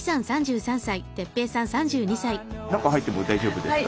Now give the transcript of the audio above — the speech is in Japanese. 中入っても大丈夫ですか？